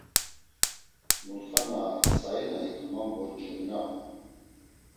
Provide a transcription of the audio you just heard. Mutxa na sayi na ikuman boncuğinape.